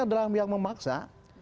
adalah yang memaksa